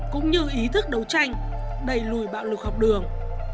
cũng như ý thức đấu tranh đẩy lùi bạo lực học đường